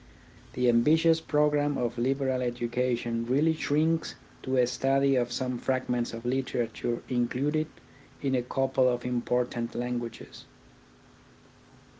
The ambitious programme of a liberal education really shrinks to a study of some fragments of literature in cluded in a couple of important languages.